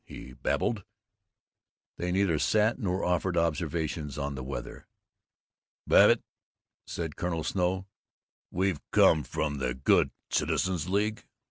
he babbled. They neither sat nor offered observations on the weather. "Babbitt," said Colonel Snow, "we've come from the Good Citizens' League.